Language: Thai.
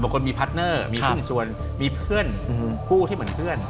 คนมีพาร์ทเนอร์มีหุ้นส่วนมีเพื่อนผู้ที่เหมือนเพื่อน